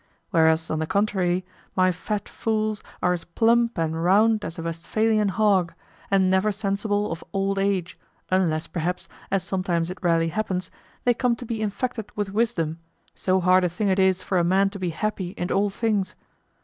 Whereas, on the contrary, my fat fools are as plump and round as a Westphalian hog, and never sensible of old age, unless perhaps, as sometimes it rarely happens, they come to be infected with wisdom, so hard a thing it is for a man to be happy in all things.